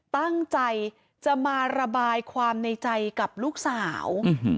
ตั้งใจจะมาระบายความในใจกับลูกสาว